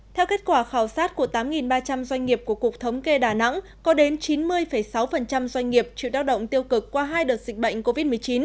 theo kết quả khảo sát của tám ba trăm linh doanh nghiệp của cục thống kê đà nẵng có đến chín mươi sáu doanh nghiệp chịu đau động tiêu cực qua hai đợt dịch bệnh covid một mươi chín